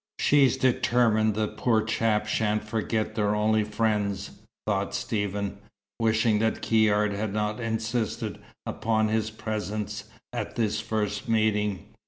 "She's determined the poor chap shan't forget they're only friends," thought Stephen, wishing that Caird had not insisted upon his presence at this first meeting.